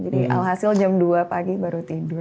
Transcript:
jadi alhasil jam dua pagi baru tidur